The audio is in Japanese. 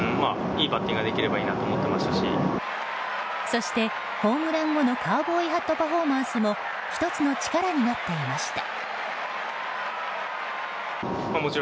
そして、ホームラン後のカウボーイハットパフォーマンスも１つの力になっていました。